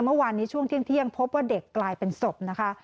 เมื่อวานนี้ช่วงเที่ยงพบว่าเด็กกลายเป็นศพนะคะ